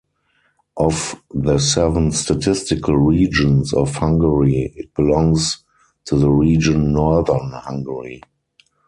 Of the seven statistical regions of Hungary it belongs to the region Northern Hungary.